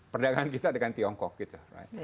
perdagangan kita dengan tiongkok gitu